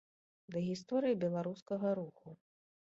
Да гісторыі беларускага руху.